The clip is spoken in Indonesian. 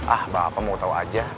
ah mbak apa mau tau aja